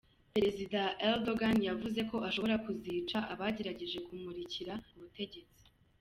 Perezida Erdogan yavuze ko ashobora kuzica abagerageje kumurikira ku butegetsi .